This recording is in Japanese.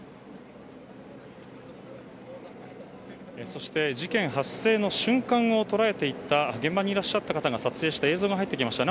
そして事件発生の瞬間を捉えていた現場にいらっしゃった方が撮影した映像が入ってきました。